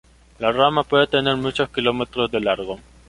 La rama puede tener muchos kilómetros de largo.